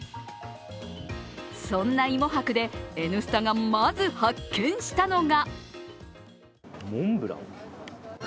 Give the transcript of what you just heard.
そんな芋博で「Ｎスタ」がまず発見したのがモンブラン？